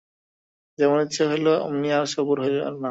যেমন ইচ্ছা হইল, অমনি আর সবুর সহিল না।